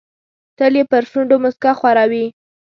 تل یې پر شونډو موسکا خوره وي.